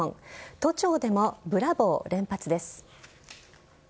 都庁でもブラボー連発です。